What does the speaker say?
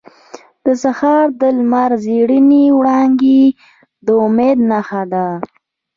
• د سهار د لمر زرینې وړانګې د امید نښه ده.